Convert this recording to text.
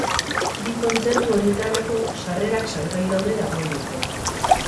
Bi kontzertu horietarako sarrerak salgai daude dagoeneko.